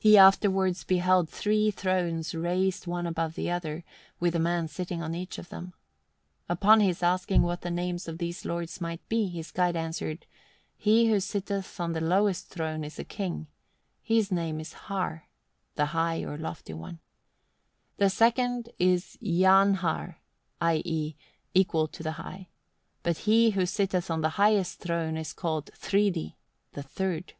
He afterwards beheld three thrones raised one above another, with a man sitting on each of them. Upon his asking what the names of these lords might be, his guide answered: "He who sitteth on the lowest throne is a king; his name is Har (the High or Lofty One); the second is Jafnhar (i.e. equal to the High); but he who sitteth on the highest throne is called Thridi (the Third)."